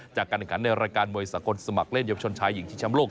จากการเอกลังค์การในรายการมวยสากลสมัครเล่นเยาวชนชายหญิงชิงช้ำโลก